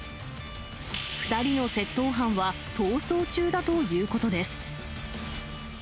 ２人の窃盗犯は逃走中だということです。